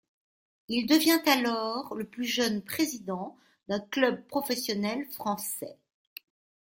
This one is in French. Il devient alors le plus jeune président d’un club professionnel français.